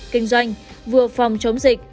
kinh doanh vừa phòng chống dịch